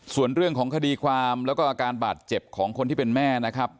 ส่วนเรื่องของคดีความแล้วก็อาการบาดเจ็บของคนที่เป็นแม่นะครับ